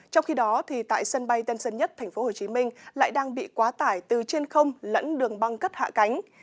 trong khi đó tại sân bay tân sân nhất tp hcm lại đang bị quá tải từ trên không lẫn đường băng cất hạ cánh